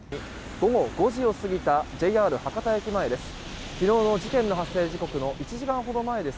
午後５時を過ぎたＪＲ博多駅前です。